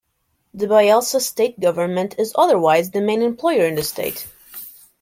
The Bayelsa State government is otherwise the main employer in the state.